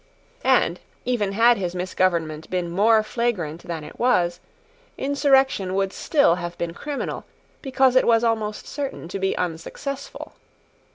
And, even had his misgovernment been more flagrant than it was, insurrection would still have been criminal, because it was almost certain to be unsuccessful.